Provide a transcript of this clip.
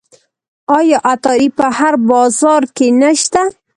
آیا عطاري په هر بازار کې نشته؟